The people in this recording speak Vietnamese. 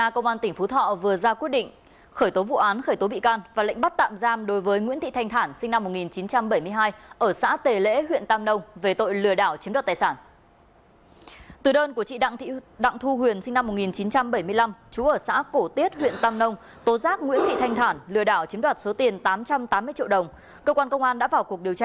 cơ quan công an đã vào cuộc điều tra